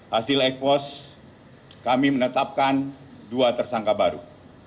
hasil ekos kami menetapkan dua tersangka baru